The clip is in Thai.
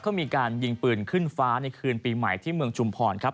เขามีการยิงปืนขึ้นฟ้าในคืนปีใหม่ที่เมืองชุมพรครับ